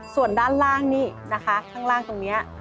ส่วนด้านล่างนี่นะคะข้างล่างตรงนี้